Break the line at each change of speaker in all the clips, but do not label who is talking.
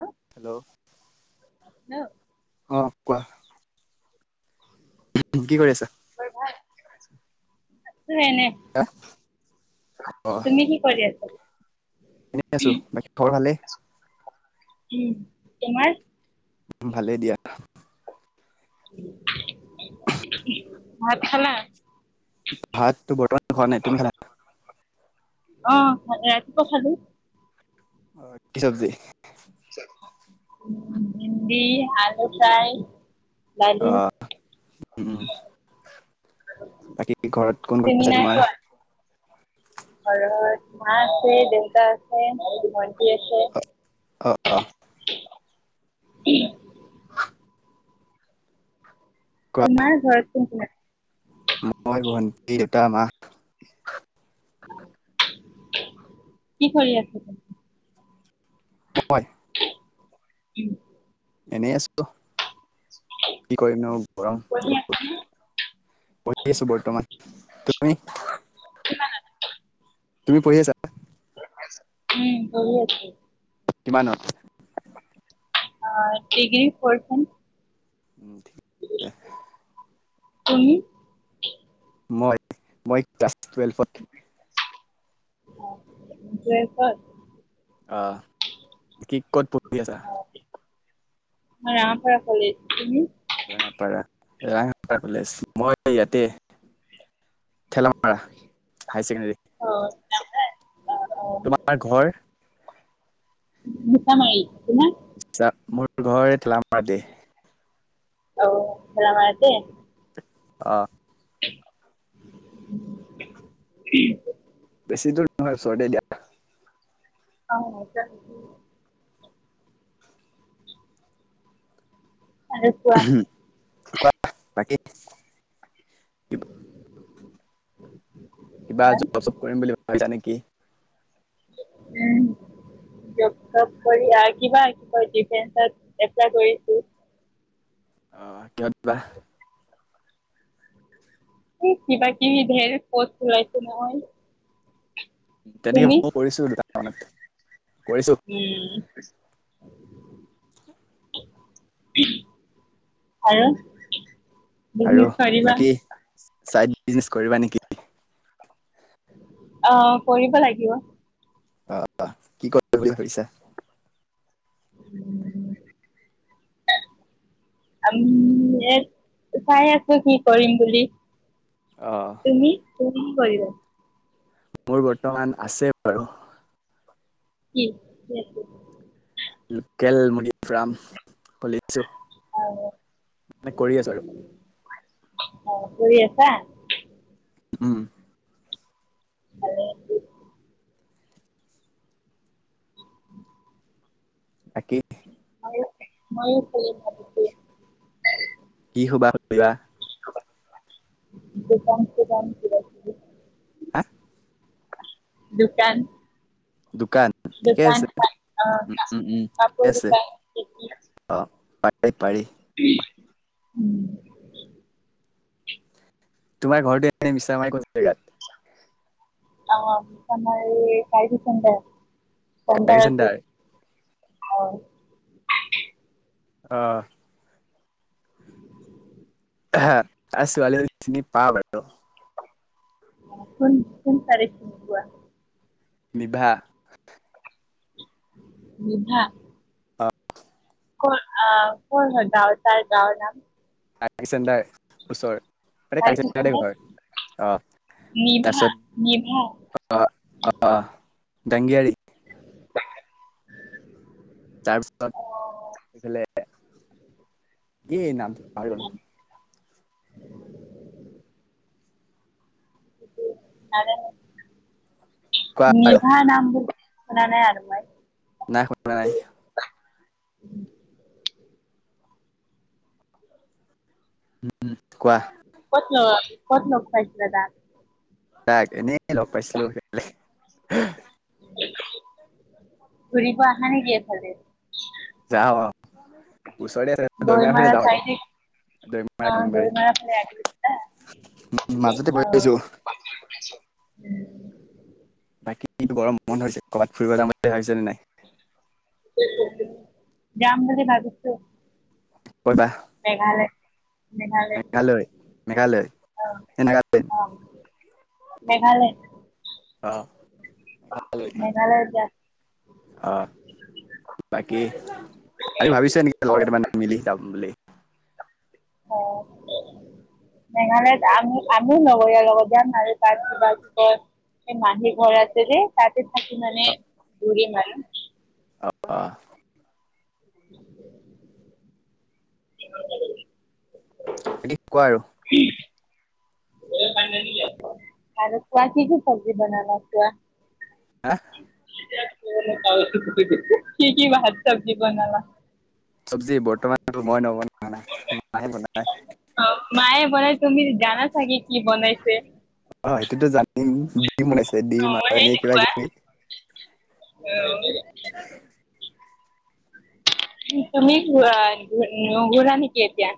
হু
hello
hello
অ কোৱা কি কৰি আছা
খবৰ ভাল। আছো এনেই
হে অ
কি কৰি আছে
এনে আছো বাকী খবৰ ভালেই।
উম, তোমাৰ?
উম, ভালে দিয়া।
ভাত খালা?
ভাতটো বৰ্তমান খোৱা নাই তুমি?
অ, ৰাতিপুৱা খালো।
অ, কি চব্জি?
বিন, আলু ফ্ৰাই। দালি।
উম বাকী ঘৰত
তুমি
কোন-কোন আছে
নাই
তোমাৰ?
খোৱা? ঘৰত মা আছে দেউতা আছে ভণ্টি আছে।
অ', অ', অ',
উম,
কোৱা
তোমাৰ ঘৰত কোন-কোন আছে?
মই ভণ্টি, দেউতা, মা।
কি কৰি আছে?
হয়।
উম,
এনেই আছো কি কৰিম নো গৰম
পঢ়ি আছা
বহুত।
নে?
পঢ়ি আছো বৰ্তমান তুমি?
কিমান আছা?
তুমি পঢ়ি আছা?
উম, পঢ়ি আছো।
কিমানত?
অ, ডিগ্ৰী ফৌৰ্থ চেম।
[inaudible]
তুমি?
মই-মই ক্লাছ টুৱেলভত।
অ, টোৱেলভত।
অ, কি ক'ত পঢ়ি আছা?
ৰাঙাপৰা কলেজ তুমি?
ৰাঙা পাৰা-ৰাঙা পাৰা কলেজ মই ইয়াতে ঠেলামাৰা হাই চেকেণ্ডেৰী। তোমাৰ ঘৰ?
মিচামাৰি তোমাৰ?
[unintelligible] মোৰ ঘৰ থেলম্পতি।
[unintelligible] অ, থেলামাৰিত নে?
অ',
[unintelligible] উম,
বেছি দূৰ নহয় ওচৰতে দিয়া।
অ', [unintelligible] আৰু কোৱা?
হম, কোৱা বাকী কিবা কিবা জব চপ কৰিম বুলি ভাবিছা নেকি?
উম, জব চব কৰি আ কিবা কি কয় ডিফেন্সত এপ্লাই কৰিছো।
অ, কিহত বা?
এ কিবা -কিবি ঢেৰ পোষ্ট ওলাইছে নহয়।
তেনেকে
তুমি
মই কৰিছো দুটা মানত কৰিছো
উম, আৰু?।
আৰু
বিজনেছ কৰিবা
বাকী চাইড বিজনেচ কৰিবা নেকি?
অ', কৰিব লাগিব।
অ', কি কৰিম বুলি ভাবিছা?
উম [unintelligible] চাই আছোঁ কি কৰিম বুলি।
অ'।
তুমি, তুমি কি কৰিবা?
মোৰ বৰ্তমান আছে বাৰু।
কি?
লোকেল মুনি ফাম খুলিছোঁ।
অ', অ', [unintelligible] আছা।
উম।
[unintelligible]
বাকি
ময়ো- ময়ো খুলিম ভাবিছোঁ।
কি শুবা কৰিবা?
দোকান চোকান কিবা - কিবি।
হা?
দুকান
দোকান? ঠিকে আছে,
অ
উম-উম-উম ঠিকে
কাপোৰ
আছে।
দোকান কি
অ', পাৰি-পাৰি।
[unintelligible] উম।
তোমাৰ ঘৰটো এনে মিছামাৰি কোন জেগাত?
অ', আমাৰ এই চাৰ্ভিচ চেণ্টাৰ, চেণ্টাৰ আছে। হয়।
অ'।
[unintelligible]
হা। ছোৱালী [inaudible] চিনি পাওঁ বাৰু।
কোন-কোন ছোৱালী চিনি পোৱা?
বিভা।
বিভা?
অ'।
কৰ, আ কৰ হয় গাওঁ তাইৰ গাঁওৰ নাম?
[inaudible] চেণ্টাৰ ওচৰৰ। মানে [inaudible] ঘৰ অ',
নিভা
তাৰপিছত
নিভা
অ', অ', অ', জাংজ্ঞাৰি।
[unintelligible]
তাৰপিছত
অ
এইফালে কি নাম টো পাহৰি গলোঁ।
[unintelligible] [unintelligible]
কোৱা আৰু
নিভা নাম [unintelligible] শুনা নাই আৰু মই।
নাই শুনা
কিন্তু
নাই। উম কোৱা।
ক'ত ল ক'ত লগ পাইছিলা তাক?
তাক এনেই লগ পাইছিলো সেইফালে।
ঘূৰিব আহা নেকি এইফালে?
যাওঁ অ ওচৰতে আছে।
দৈমাৰা চাইডে আহ দৈমাৰা ফালে আহিছিলা?
[unintelligible] উম মাজতে বহি পাইছো।
[unintelligible]
বাকী বৰ মন হৈছে ক'ৰবাত ফুৰিব যাম বুলি ভাবিছানে নাই?
উম যাম বুলি ভাবিছো।
কৈবা?
মেঘালয়। মেঘালয়
মেঘালয়
অ
নে নাগালেণ্ড
অ। মেঘালয়।
অহ মেঘালয়
মেঘালয়ত যাম।
অহ। বাকী আমি ভাবিছ নেকি লগ মানে মিলি যাম বুলি?
অ কি মেঘালয়ত আমি আমিও লগৰীয়াৰ লগত যাম আৰু তাৰ তাৰপিছত এ মাহি ঘৰ আছে যে তাতে থাকি মানে ঘুৰিম আৰু।
অ অ।
[unintelligible]
কি কোৱা আৰু?
আৰু কোৱা কি কি চব্জি বনালা কোৱা?
হা?
কি কি ভাত চবজি বনালা?
চব্জি বৰ্তমানো মই নবনাই, মাহে বনাই।
অ মায়ে বনাই তুমি জানা চাগে কি বনাইছে?
অ সেইটোতো জানিম দিম বনাইছে দিম আৰু এনেই
সেইটো
কিবা -
কোৱা।
কিবি
অ।
[inaudible]
তুমি ঘূৰা নুঘুৰা নেকি এতিয়া?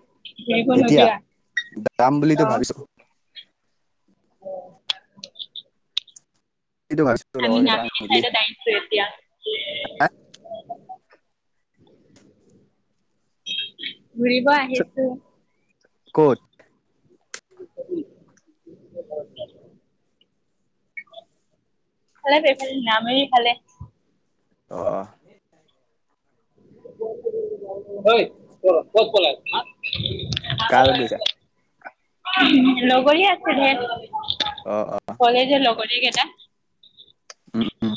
ফুৰিব
এতিয়া
নোযোৱা
যাম বুলিতো
অ।
ভাবিছো
অ [inaudible]
এইটো ভাবিছিলোঁ লগৰকেইটামান মিলি?
চু এতিয়া
হে!
ঘূৰিব আহিছো।
ক'ত?
[inaudible] ফালে এইফালে নামেৰিফালে।
অঁ।
হয় ব কত বল হাট।
কাল লাগ গৈছা?
লগৰয়ে আছে ঢেৰ।
অ অ।
কলেজৰ লগৰিকেইটা?
উম উম।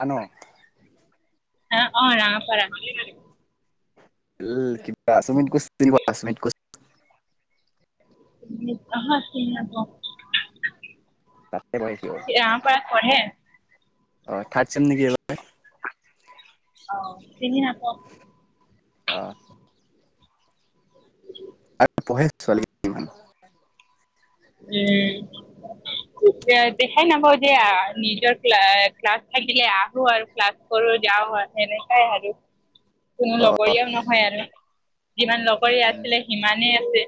আঁ ন।
এ অ ৰাম পৰা
কিিবুমিন কিনিবাুম ক [inaudible]
হ নি আ [inaudible]
তাতে মাৰিচো,
পঢ়ে?
অ থাৰড ছেম নেকি এইবাৰ?
অ পিনি হাপত।
অঁ। সে ছোৱালী
কি উম। দিয়া দেখাই নাপাও যে আ নিজৰ ক্লা-ক্লাছ থাকিলে আহো আৰু ক্লাছ কৰ যাও হয় এনেকাই আৰু। কোনো
অ অ
লগৰীয়াও নহয় আৰু যিমান লগৰীয়া
উম
আছিলে সিমানেই আছে।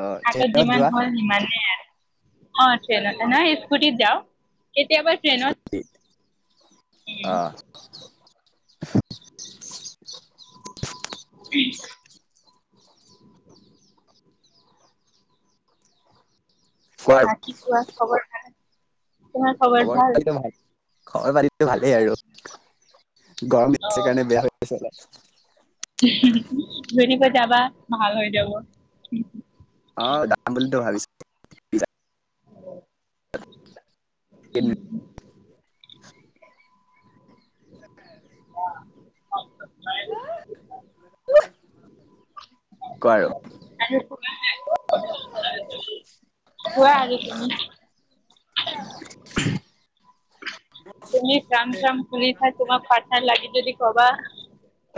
অ
আতত
ট্ৰেইনত
যিমান
যোৱা
হয় সিমানেই আৰু। অ, ট্ৰেইনত নাই স্কুটিত যাও। কেতিয়াবা
অ
ট্ৰেইনত
স্কুটিত অ
উম, ওহ,
কোৱা আৰু
না কি কোৱা খবৰ ভাল তোমাৰ খবৰ ভাল?
খবৰ পাতিটো ভালেই আৰু গৰম দি কাৰণে বেয়া হৈ গৈছে অলপ।
ধুনীয়াকৈ যাবা ভাল হৈ যাব।
অ, যাম বুলিতো ভাবিছো।
উম,
হেল্ল',
যাব।
কোৱা-কোৱা আৰু?
আৰু কোৱা আৰু তুমি?
উহ,
তুমি যাম যাম কৰিছা তোমাক পাৰ্তনাৰ লাগি যদি কবা?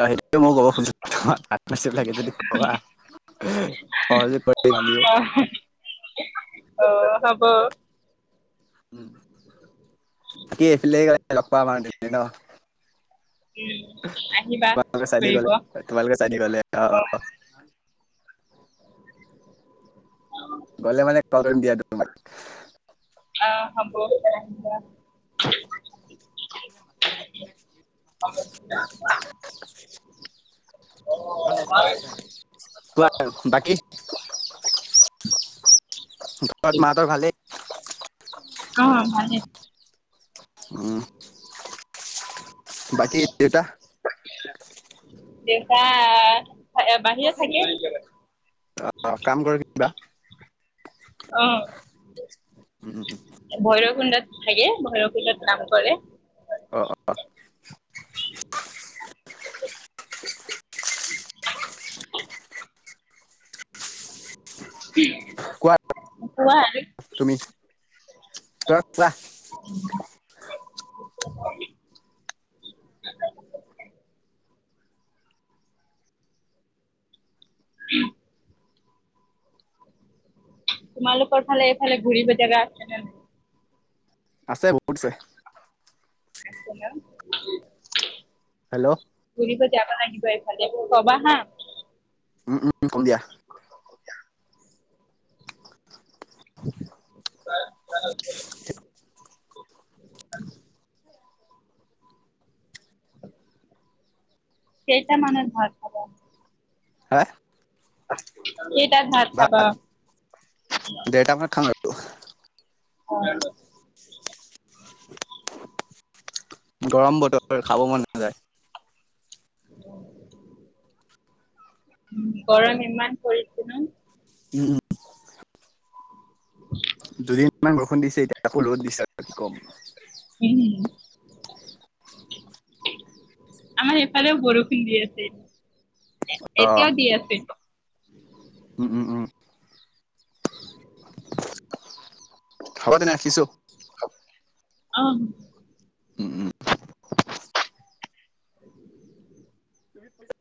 অ, সেইটোৱে মই ক'ব খুজিছো তোমাৰ ভাত নাছো লাগে যদি কবা। কজ পঢ়ি যমিও [unintelligible]
অ, হব।
উম, এইফালে লগ পাম আৰু ন।
উম, আহিবা
তোমালোক চাইদে
ফুৰিব
গ'লে
অ
তোমালোক চাইধ গ'লে অ,
অ',
গ'লে মানে কলম দিয়া তোমাক
অ, হ'ব।
[unintelligible]
অ',
[inaudible] কোৱা বাকী? ঘৰত মাহতৰ ভালেই।
অ, ভালে।
উম, বাকী দেউতা
দেউতা বাহিৰত থাকে।
অ, কাম কৰে কিবা।
অ',
উম,
ভৈৰৱ কুণ্ডত থাকে ভৈৰৱ কুণ্ডত কাম কৰে।
অ', অ', অ', কোৱা
কোৱা?
তুমি ত কোৱা।
উ [inaudible] উম, তোমালোকৰ ফালে এইফালে ঘূৰিবেজেগা আছে নে?
আছে বহুত আছে।
আছে ন।
হেল্ল',
ফুৰিব জাব লাগিব এইফাল কবা হা।
উম-উম কম দিয়া।
[unintelligible]
[unintelligible]
[unintelligible] কেইটামানত ভাত। খাবা
হা
কেইটাত ভাত খাবা
ডেৰটা মানত খাম আৰু
অ
গৰম বতৰ খাব মন নাযায়।
গৰম ইমান পৰিছে ন।
উম উম দুদিনমান বৰষুণ দিছে এতিয়া আকৌ ৰ'দ দিছে। এই কি কম
সেই আমাৰ এফালেও বৰষুণ দি আছে
অ',
এতিয়াও দি আছে
উম উম উম হব তেনে ৰাখিছো।
অ
উম উম
[inaudible]
[inaudible]